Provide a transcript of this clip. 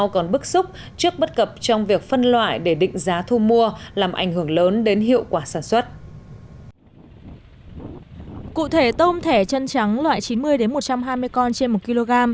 cụ thể tôm thẻ chân trắng loại chín mươi một trăm hai mươi con trên một kg